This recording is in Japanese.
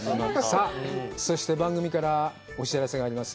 さあ、そして、番組からお知らせがあります。